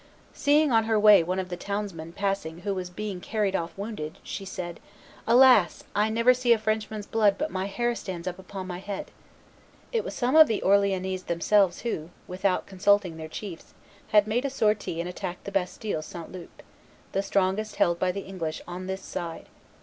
Seeing on her way one of the townsmen passing who was being carried off wounded, she said, "Alas! I never see a Frenchman's blood but my hair stands up on my head!" It was some of the Orleannese themselves who, without consulting their chiefs, had made a sortie and attacked the Bastille St. Loup, the strongest held by the English on this side.